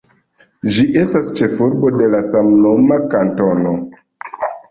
Ĝi estas ĉefurbo de la samnoma kantono.